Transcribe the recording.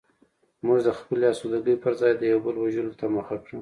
موږ د خپلې اسودګۍ پرځای د یو بل وژلو ته مخه کړه